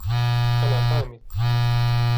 أنا حامل.